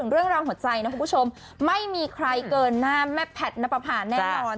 เรื่องราวหัวใจนะคุณผู้ชมไม่มีใครเกินหน้าแม่แพทย์นับประพาแน่นอน